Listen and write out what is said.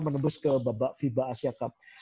menembus ke babak fiba asia cup